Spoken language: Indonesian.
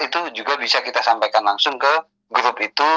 itu juga bisa kita sampaikan langsung ke grup itu